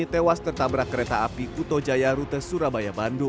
terus lihatnya kecil kecilan dia tadi